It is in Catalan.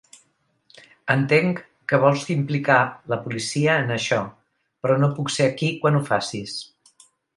Entenc que vols implicar la policia en això, però no puc ser aquí quan ho facis.